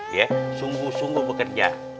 ya sungguh sungguh bekerja